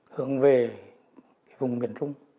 hướng về vùng miền trung